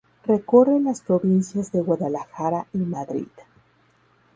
Recorre las provincias de Guadalajara y Madrid.